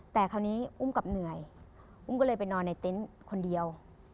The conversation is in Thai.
แต่คราวนี้อุ้มกลับเหนื่อยอุ้มก็เลยไปนอนในเต็นต์คนเดียว